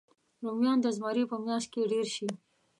رومیان د زمري په میاشت کې ډېر شي